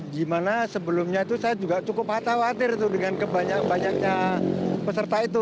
di mana sebelumnya itu saya juga cukup khawatir dengan kebanyakan peserta itu